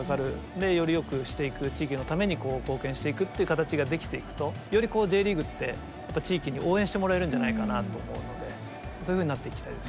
でよりよくしていく地域のために貢献していくっていう形ができていくとよりＪリーグって地域に応援してもらえるんじゃないかなと思うのでそういうふうになっていきたいです。